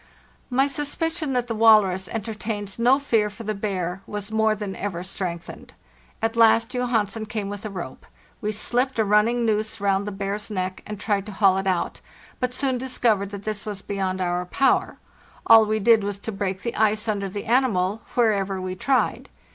My suspicion that the walrus entertains no fear for the bear was more than ever strengthened. At last Johansen came with a rope. We slipped a running noose round the bear's neck and tried to haul it out, but soon discovered that this was beyond our power; all we did was to break the ice under the animal, wherever we tried.